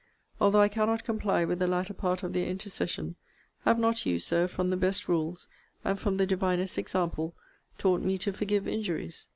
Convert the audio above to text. Although I cannot comply with the latter part of their intercession, have not you, Sir, from the best rules, and from the divinest example, taught me to forgive injuries?